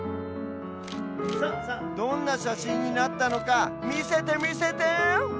どんなしゃしんになったのかみせてみせて！